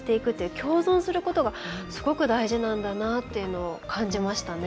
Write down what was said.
共存することがすごく大事なんだなと感じましたね。